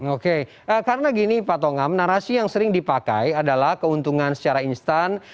oke karena gini pak tongam narasi yang sering dipakai adalah keuntungan secara instan